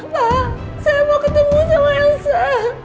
pak saya mau ketemu sama elsa